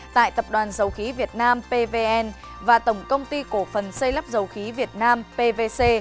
tại tập đoàn dầu khí việt nam pvn và tổng công ty cổ phần xây lắp dầu khí việt nam pvc